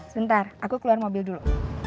sebentar aku keluar mobil dulu